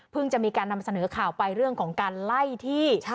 จะมีการนำเสนอข่าวไปเรื่องของการไล่ที่